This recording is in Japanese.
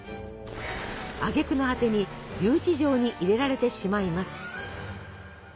あげくの果てに留置場に入れられてしまいます。